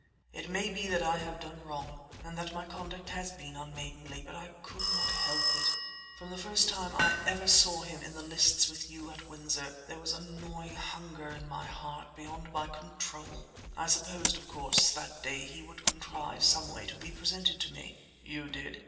It may be that I have done wrong and that my conduct has been unmaidenly, but I could not help it. From the first time I ever saw him in the lists with you at Windsor there was a gnawing hunger in my heart beyond my control. I supposed, of course, that day he would contrive some way to be presented to me...." "You did?"